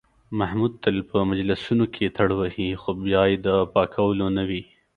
محمود تل په مجلسونو کې ټروهي، خو بیا یې د پاکولو نه دي.